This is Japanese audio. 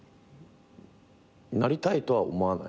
なりたいとは思わない。